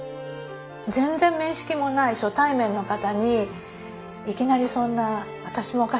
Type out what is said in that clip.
全然面識もない初対面の方にいきなりそんな「私もお菓子焼くんです」